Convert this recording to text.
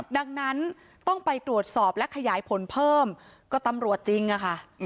ดังนั้นต้องไปตรวจสอบและขยายผลเพิ่มก็ตำรวจจริงอะค่ะ